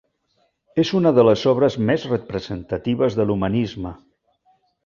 És una de les obres més representatives de l'humanisme.